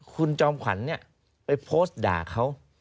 คุณจอมขวัญไปโพสต์ด่าเขา